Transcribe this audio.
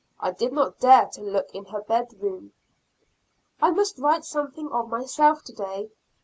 I did not dare to look in her bed room. I must write something of myself today.